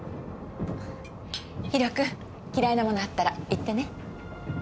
ひろ君嫌いなものあったら言ってね。